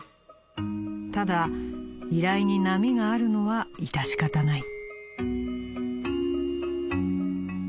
ただ依頼に波があるのは致し方ない」。